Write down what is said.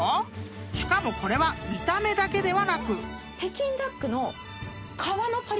［しかもこれは見た目だけではなく］